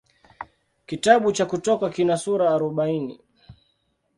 Kitabu cha Kutoka kina sura arobaini.